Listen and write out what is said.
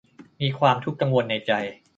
มีความทุกข์กังวลในใจ